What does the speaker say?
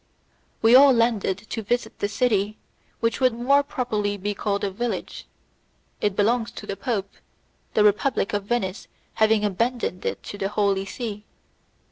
We all landed to visit the city, which would more properly be called a village. It belongs to the Pope, the Republic of Venice having abandoned it to the Holy See.